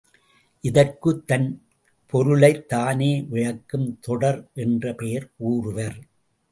இதற்குத் தன் பொருளைத் தானே விளக்கும் தொடர் என்று பெயர் கூறுவர்.